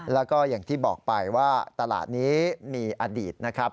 แล้วก็อย่างที่บอกไปว่าตลาดนี้มีอดีตนะครับ